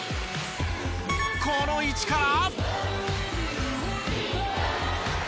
この位置から。